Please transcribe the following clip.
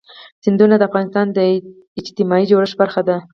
سیندونه د افغانستان د اجتماعي جوړښت برخه ده.